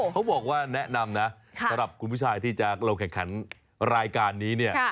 เขาบอกว่าแนะนำนะสำหรับคุณผู้ชายที่จะลงแข่งขันรายการนี้เนี่ย